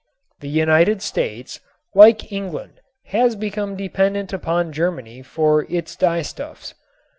The United States, like England, had become dependent upon Germany for its dyestuffs.